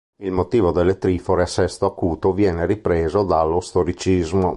Il motivo delle trifore a sesto acuto viene ripreso dallo Storicismo.